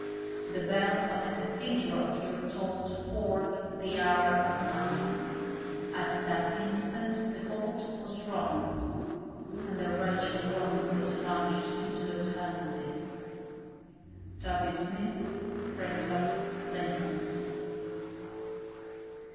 The bell of the cathedral here tolled forth the hour of nine, at that instant the bolt was drawn, and the wretched woman was launched into eternity. W. Smith, Printer, Lincoln.